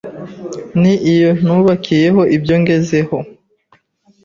Ni yo nubakiyeho ibyo ngezeho,